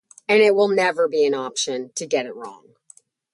During the Austro-Prussian War, Puttkamer acted as civil commissary in Moravia.